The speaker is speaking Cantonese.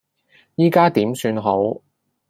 而家點算好